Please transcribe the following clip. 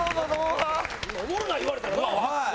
おもろない言われたらな。